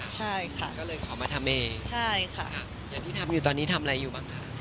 ใช่ค่ะใช่ค่ะอย่างที่ทำอยู่ตอนนี้ทำอะไรอยู่บ้างค่ะ